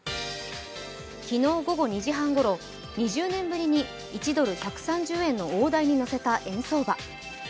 昨日午後２時半ごろ、２０年ぶりに１ドル＝１３０円台に乗せた円相場